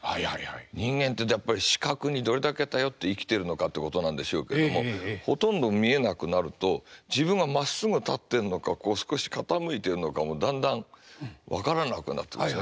人間っていうとやっぱり視覚にどれだけ頼って生きてるのかってことなんでしょうけどもほとんど見えなくなると自分がまっすぐ立ってるのかこう少し傾いてるのかもだんだん分からなくなってくるんですよ。